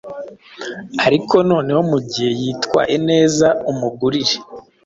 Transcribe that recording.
ariko nanone mu gihe yitwaye neza umugurire